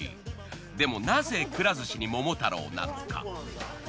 でもなぜくら寿司に桃太郎なのか？